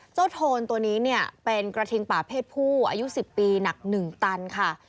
โทนตัวนี้เนี่ยเป็นกระทิงป่าเพศผู้อายุ๑๐ปีหนัก๑ตันค่ะ